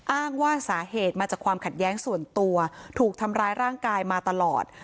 อ้างว่าสาเหตุมาจากความขัดแย้งส่วนตัวถูกทำร้ายร่างกายมาตลอด